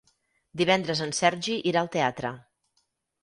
Divendres en Sergi irà al teatre.